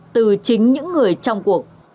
và chính những người trong cuộc